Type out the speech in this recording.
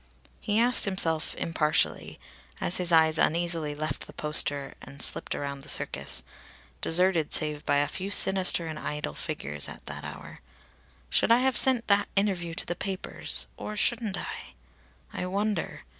He asked himself impartially, as his eyes uneasily left the poster and slipped round the Circus, deserted save by a few sinister and idle figures at that hour, "Should I have sent that interview to the papers, or shouldn't I? ... I wonder.